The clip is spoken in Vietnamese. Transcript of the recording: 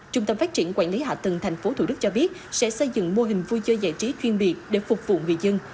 trung tâm phát triển quản lý hạ tầng tp thủ đức cho biết sẽ xây dựng mô hình vui chơi giải trí chuyên biệt để phục vụ người dân